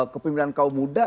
kepimpinan kaum muda